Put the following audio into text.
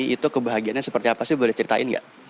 itu kebahagiaannya seperti apa sih boleh ceritain nggak